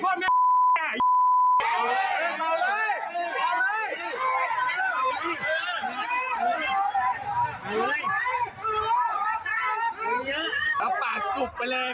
คนขี้เข้ามาเหนือ